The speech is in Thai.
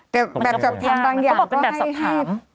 แต่ว่ามันก็แบบสอบถาม